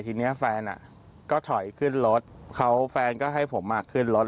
ทีนี้แฟนก็ถอยขึ้นรถเขาแฟนก็ให้ผมขึ้นรถ